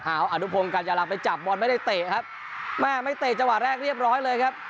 เอาอนุพงศ์กัญญาลังไปจับบอลไม่ได้เตะครับแม่ไม่เตะจังหวะแรกเรียบร้อยเลยครับ